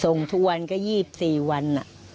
ส่งทุกวันก็๒๔วัน